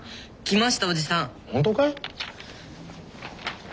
本当かい？